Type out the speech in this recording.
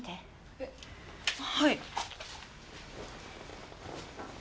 えっはい。